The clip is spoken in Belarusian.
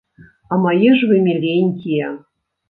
А мае ж вы міленькія!